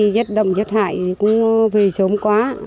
rết hại cũng về sớm quá